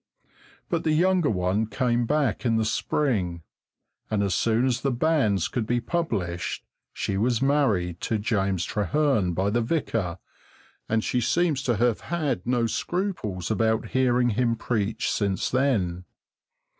But the younger one came back in the spring, and as soon as the banns could be published she was married to James Trehearn by the vicar, and she seems to have had no scruples about hearing him preach since then.